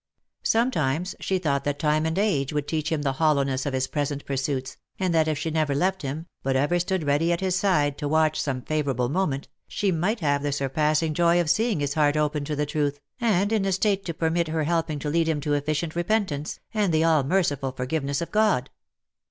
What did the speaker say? Sometimes she thought that time and age would teach him the hollowness of his present pur suits, and that if she never left him, but ever stood ready at his side OF MICHAEL ARMSTRONG. 293 to watch some favourable moment, she might have the surpassing joy of seeing his heart open to the truth, and in a state to permit her help ing to lead him to efficient repentance, and the all merciful forgiveness of God.